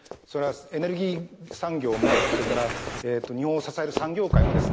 それはエネルギー産業もそれから日本を支える産業界もですね